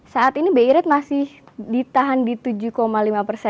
saat ini bi rate masih ditahan di tujuh lima persen